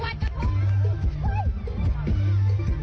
ไว้เดี๋ยวเก้าหักหักทีป่ะเนี่ย